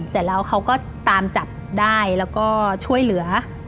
เสร็จแล้วเขาก็ตามจับได้แล้วก็ช่วยเหลือ